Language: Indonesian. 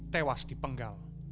tewas di penggal